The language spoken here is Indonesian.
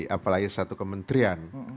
apalagi satu kementerian